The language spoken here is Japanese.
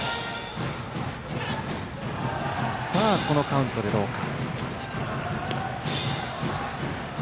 さあ、このカウントでどうか。